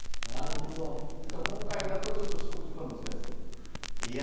ですから、今回だと取得時効は難しそうです。